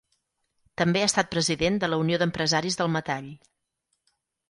També ha estat president de la Unió d'Empresaris del Metall.